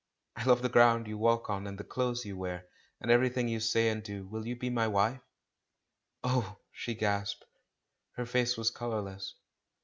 I love the ground you walk on, and the clothes you wear, and everything you say and do. Will you be my wife?" "Oh!" she gasped. Her face was colourless.